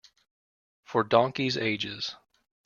For donkeys' ages.